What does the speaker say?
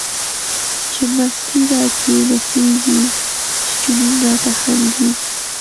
چی مستی را کی نڅیږی، چی جنون راته خندیږی